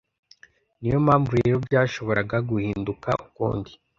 Ni yo mpamvu rero byashoboraga guhinduka ukundi,